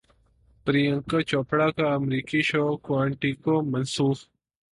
پریانکا چوپڑا کا امریکی show Quantico منسوخ